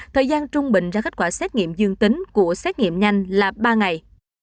thời gian trung bình ra kết quả xét nghiệm dương tính của xét nghiệm nhanh là ba ngày